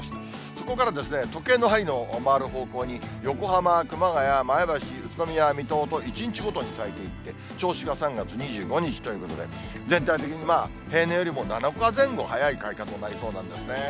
そこから時計の針の回る方向に横浜、熊谷、前橋、宇都宮、水戸と、１日ごとに咲いていって、銚子が３月２５日ということで、全体的にまあ、平年よりも７日前後早い開花となりそうなんですね。